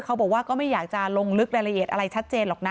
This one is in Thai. เขาบอกว่าก็ไม่อยากจะลงลึกรายละเอียดอะไรชัดเจนหรอกนะ